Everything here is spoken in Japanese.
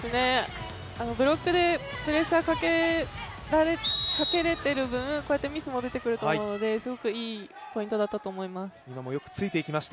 ブロックでプレッシャーかけられている分、こうやってミスも出てくると思うので、すごくいいポイントだったと思います。